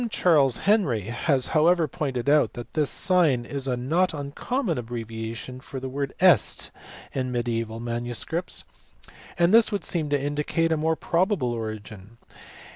Charles Henry has however pointed out that this sign is a not uncommon abbreviation for the word est in mediaeval manuscripts ; and this would seem to indicate a more probable origin.